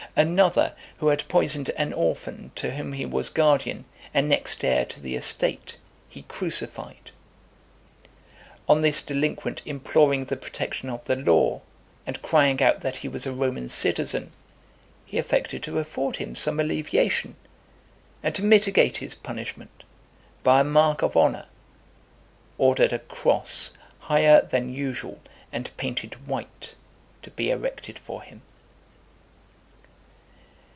Another, who had poisoned an orphan, to whom he was guardian, and next heir to the estate, he crucified. On this delinquent imploring the protection of the law, and crying out that he was a Roman citizen, he affected to afford him some alleviation, and to mitigate his punishment, by a mark of honour, ordered a cross, higher than usual, and painted white, to be erected for him.